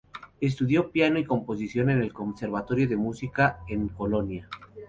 Estudió piano y composición en el conservatorio de música en Colonia.